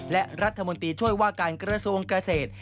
และรัฐมนตรีช่วยว่าการกระทรวงเกษตร